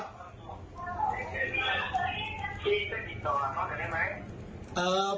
พี่จะติดต่อเขาได้ไหม